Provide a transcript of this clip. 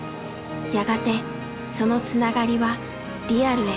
やがてそのつながりはリアルへ。